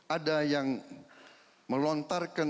ada yang melontarkan